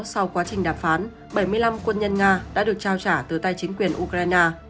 sau quá trình đàm phán bảy mươi năm quân nhân nga đã được trao trả từ tay chính quyền ukraine